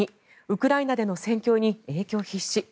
ウクライナでの戦況に影響必至。